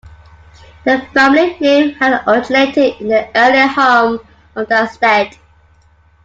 The family name had originated in their earlier home of Darmstadt.